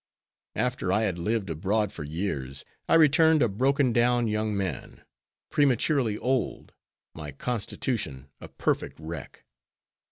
After I had lived abroad for years, I returned a broken down young man, prematurely old, my constitution a perfect wreck.